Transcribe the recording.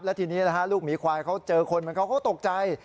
และทีนี้ลูกหมีควายเขาเจอคนเหมือนเขาก็ตกใจ